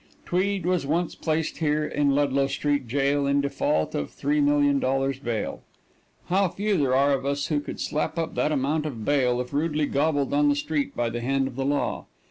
Tweed was once placed here in Ludlow Street Jail in default of $3,000,000 bail. How few there are of us who could slap up that amount of bail if rudely gobbled on the street by the hand of the law.